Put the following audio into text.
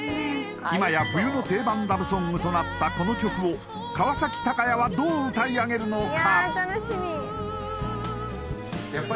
今や冬の定番ラブソングとなったこの曲を川崎鷹也はどう歌い上げるのか。